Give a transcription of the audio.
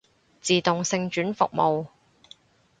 自動性轉服務